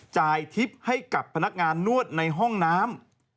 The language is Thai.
ทิพย์ให้กับพนักงานนวดในห้องน้ำ